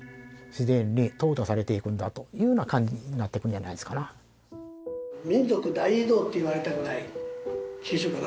自然に淘汰されていくんだというふうな感じになっていくんじゃないですかなま